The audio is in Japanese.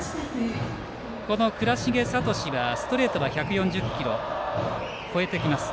倉重聡はストレートは１４０キロを超えてきます。